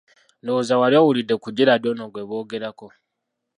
Ndowooza wali owulidde ku Gerald ono gwe boogerako.